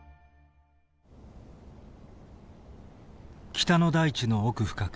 北の大地の奥深く。